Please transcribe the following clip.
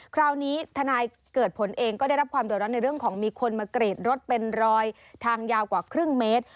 คราวนี้ทนายเกิดผลเองก็ได้รับความเดือดร้อนในเรื่องของมีคนมากรีดรถเป็นรอยทางยาวกว่าครึ่งเมตร